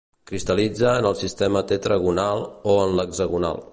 Cristal·litza en el sistema tetragonal o en l'hexagonal.